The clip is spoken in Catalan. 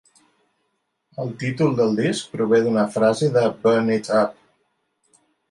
El títol del disc prové d'una frase de "Burn It Up".